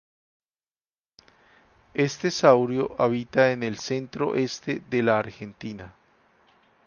Este saurio habita en el centro-este de la Argentina.